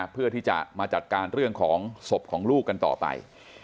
เพื่อที่จะมาจัดการเรื่องของศพของลูกกันต่อไป